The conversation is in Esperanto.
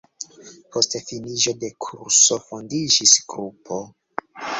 Post finiĝo de kurso fondiĝis grupo.